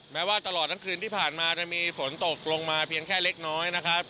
แม้ว่าตลอดทั้งคืนที่ผ่านมาจะมีฝนตกลงมาเพียงแค่เล็กน้อยนะครับ